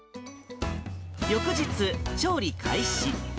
翌日、調理開始。